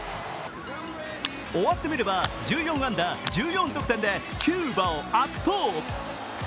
終わってみれば１４安打１４得点でキューバを圧倒。